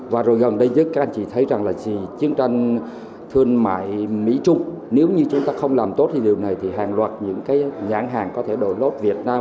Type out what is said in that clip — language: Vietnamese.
và rồi gần đây các anh chị thấy rằng là chiến tranh thương mại mỹ trung nếu như chúng ta không làm tốt thì điều này thì hàng loạt những cái nhãn hàng có thể đổi lốt việt nam